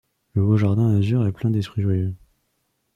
Le beau jardin Azur est plein d’esprits joyeux ;